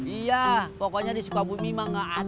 iya pokoknya di sukabumi mah nggak ada lah